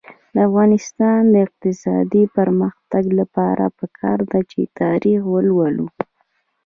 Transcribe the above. د افغانستان د اقتصادي پرمختګ لپاره پکار ده چې تاریخ ولولو.